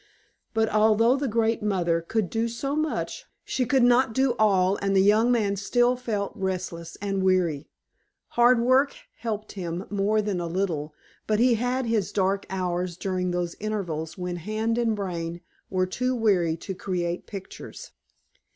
But although the great Mother could do so much, she could not do all, and the young man still felt restless and weary. Hard work helped him more than a little, but he had his dark hours during those intervals when hand and brain were too weary to create pictures.